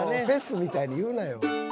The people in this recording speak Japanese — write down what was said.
フェスみたいに言うなよ。